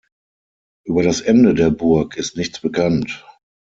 Über das Ende der Burg ist nichts bekannt.